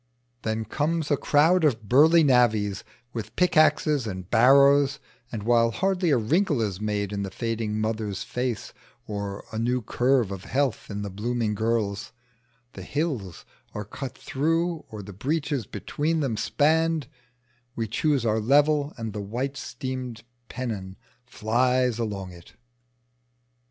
Then comes a crowd of burly navvies with pickaxes and barrows, and while hardly a wrinkle is made in the fading mother's face or a new curve of health in the blooming girl's, the hills are cut through or the breaches between them spanned, we choose our level and the white steam pennon flies along it.